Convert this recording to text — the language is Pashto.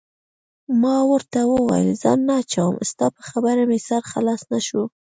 ما ورته وویل: ځان نه اچوم، ستا په خبره مې سر خلاص نه شو.